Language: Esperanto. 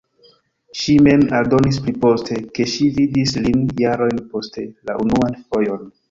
Ŝi mem aldonis pli poste, ke ŝi vidis lin jarojn poste la unuan fojon.